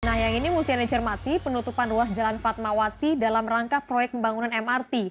nah yang ini mesti anda cermati penutupan ruas jalan fatmawati dalam rangka proyek pembangunan mrt